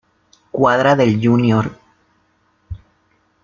Cuadra del Jr.